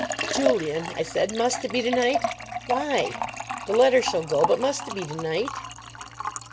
"Julian," I said, "must it be tonight? Why? The letter shall go. But must it be tonight?"